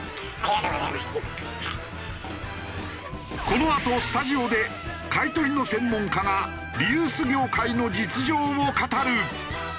このあとスタジオで買い取りの専門家がリユース業界の実情を語る！